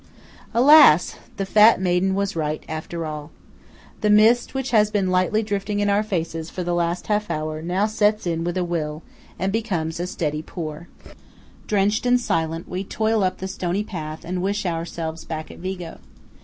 Alas! the fat maiden was right, after all. The mist which has been lightly drifting in our faces for the last half hour, now sets in with a will, and becomes a steady pour. Drenched and silent, we toil up the stony path and wish ourselves back at Vigo.